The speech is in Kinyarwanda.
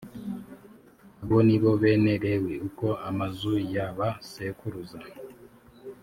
abo ni bo bene lewi uko amazu ya ba sekuruza